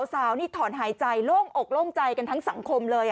สาวนี่ถอนหายใจโล่งอกโล่งใจกันทั้งสังคมเลย